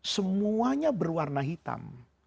semuanya berwarna hitam